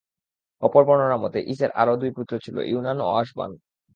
অপর বর্ণনা মতে, ঈস্-এর আরও দুই পুত্র ছিল— ইউনান ও আশবান।